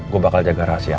gue bakal jaga rahasia al